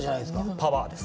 パワーです。